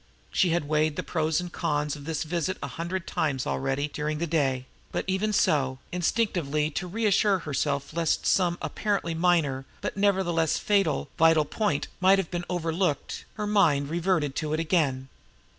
She had weighed the pros and cons of this visit a hundred times already during the day; but even so, instinctively to reassure herself lest some apparently minor, but nevertheless fatally vital, point might have been overlooked, her mind reverted to it again.